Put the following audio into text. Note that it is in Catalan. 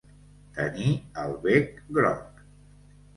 Tenir el bec groc.